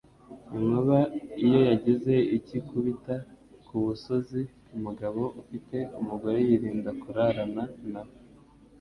Inkuba iyo yagize icyo ikubita ku musozi umugabo ufite umugore yirinda kurarana nawe,